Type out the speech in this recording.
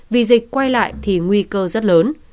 vì dịch quay lại thì nguy cơ rất lớn